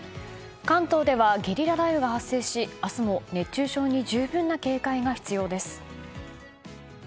関東ではゲリラ雷雨が発生し明日も熱中症に十分な警戒が必要です。